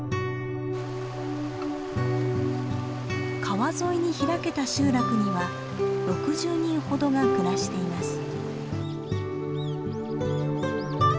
川沿いに開けた集落には６０人ほどが暮らしています。